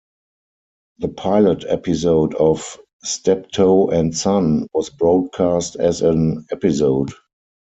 The pilot episode of "Steptoe and Son" was broadcast as an episode.